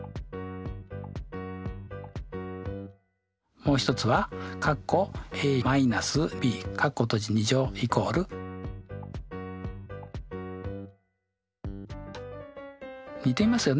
もう一つは似ていますよね。